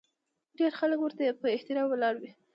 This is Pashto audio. ډېر خلک ورته په احترام ولاړ وي.